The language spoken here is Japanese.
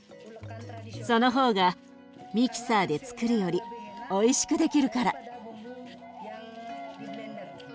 その方がミキサーでつくるよりおいしくできるから。